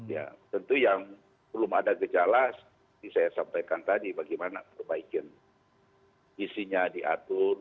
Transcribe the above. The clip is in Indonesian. ya tentu yang belum ada gejala seperti saya sampaikan tadi bagaimana perbaikin isinya diatur